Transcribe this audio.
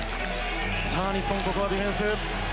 日本ここはディフェンス。